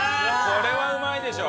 これはうまいでしょ！